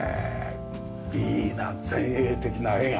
いいな前衛的な絵が。